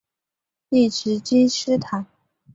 列兹金斯坦。